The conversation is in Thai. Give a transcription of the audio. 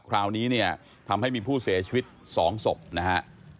คราวนี้เนี่ยทำให้มีผู้เสียชีวิต๒ศพนะฮะ